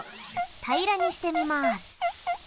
たいらにしてみます。